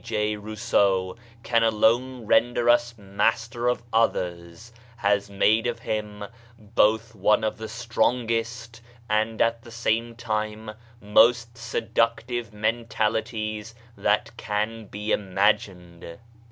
J. Rousseau, can alone render us master of others, have made of him both one of the strongest and at the same time most seductive mentalities that can be imagined.